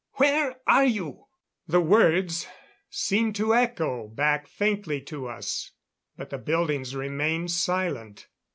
Where are you!" The words seemed to echo back faintly to us; but the buildings remained silent.